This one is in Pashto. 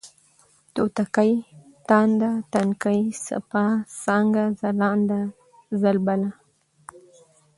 توتکۍ ، تانده ، تنکۍ ، څپه ، څانگه ، ځلانده ، ځلبله